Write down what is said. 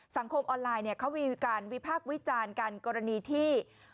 สังคมออนไลน์เขามีการวิพากษ์วิจารณ์กันกรณีที่